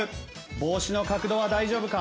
帽子の角度は大丈夫か？